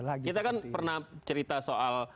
kita kan pernah cerita soal